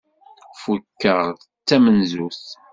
Fukkeɣ d tamenzut.